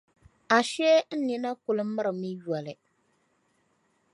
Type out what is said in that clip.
Ashee n nina kuli mirimi yolo.